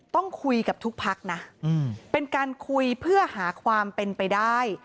ต้องคุยกับทุกพักนะเป็นการคุยเพื่อหาความเป็นไปได้